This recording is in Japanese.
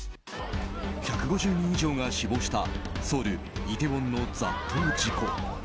１５０人以上が死亡したソウル・イテウォンの雑踏事故。